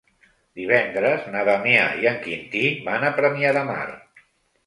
Divendres na Damià i en Quintí van a Premià de Mar.